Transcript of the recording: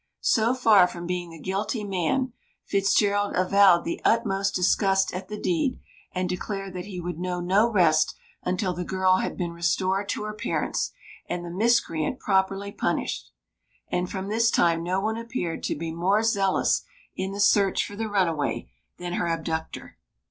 So far from being the guilty man, Fitzgerald avowed the utmost disgust at the deed, and declared that he would know no rest until the girl had been restored to her parents, and the miscreant properly punished. And from this time no one appeared to be more zealous in the search for the runaway than her abductor.